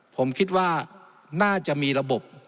ผมคิดว่าน่าจะมีระบบ